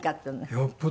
よっぽど。